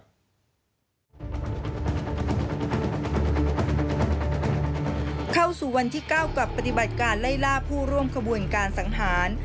เข้าสู่วันที่๙กับปฏิบัติการไล่ล่าผู้ร่วมขบวนการสังหาร